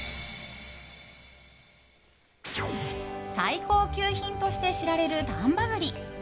最高級品として知られる丹波栗。